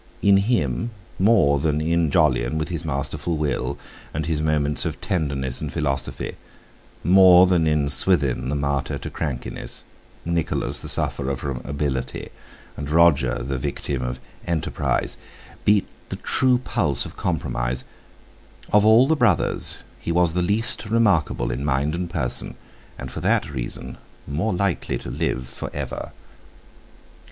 In him—more than in Jolyon, with his masterful will and his moments of tenderness and philosophy—more than in Swithin, the martyr to crankiness—Nicholas, the sufferer from ability—and Roger, the victim of enterprise—beat the true pulse of compromise; of all the brothers he was least remarkable in mind and person, and for that reason more likely to live for ever.